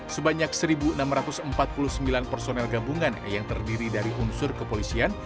sebanyak satu enam ratus empat puluh sembilan personel gabungan yang terdiri dari unsur kepolisian